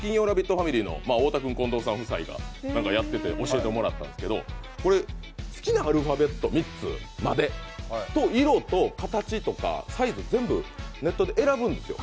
ファミリーの太田君近藤さん夫妻がやってて教えてもらったんですけど好きなアルファベット３つまでと色と形とかサイズ、全部ネットで選ぶんですよ